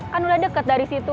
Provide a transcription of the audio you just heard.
kan udah deket dari situ